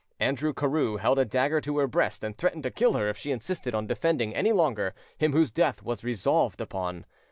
Andrew Carew held a dagger to her breast and threatened to kill her if she insisted on defending any longer him whose death was resolved upon.